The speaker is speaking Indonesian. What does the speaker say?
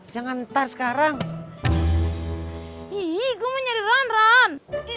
jangan ntar sekarang ih gue mau nyari ron ron